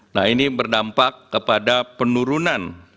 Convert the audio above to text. nah ini berdampak kepada penurunan